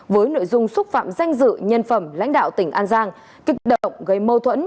với nội dung xúc phạm danh dự nhân phẩm lãnh đạo tỉnh an giang kích động gây mâu thuẫn